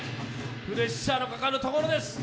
プレッシャーのかかるところです。